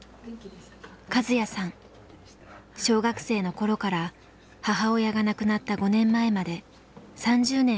小学生の頃から母親が亡くなった５年前まで３０年